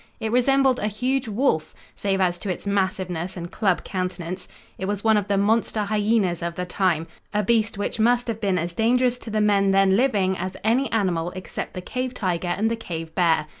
It resembled a huge wolf, save as to its massiveness and club countenance, It was one of the monster hyenas of the time, a beast which must have been as dangerous to the men then living as any animal except the cave tiger and the cave bear.